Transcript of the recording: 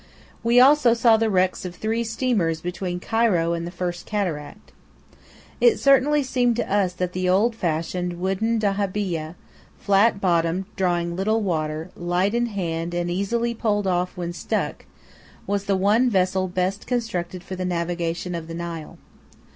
We also saw the wrecks of three steamers between Cairo and the First Cataract. It certainly seemed to us that the old fashioned wooden dahabeeyah – flat bottomed, drawing little water, light in hand, and easily poled off when stuck – was the one vessel best constructed for the navigation of the Nile.